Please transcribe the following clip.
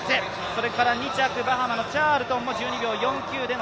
それから２着、バハマのチャールトンも１２秒３９。